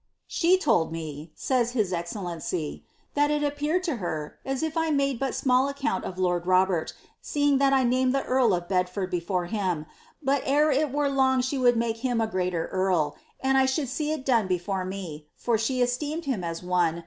" She told me," says his excellency, ^' that it appeared to her u if I made but small account of lord Robert, seeing that 1 named the earl of Bedford before him, but ere it were long she would make him a greater earl,* and I should see it done before me, for she esteemed him » Keith.